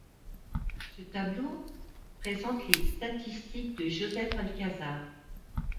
Ce tableau présente les statistiques de Joseph Alcazar.